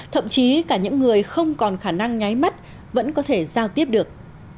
thậm chí cả những người không còn khả năng nháy mắt vẫn có thể giao tiếp được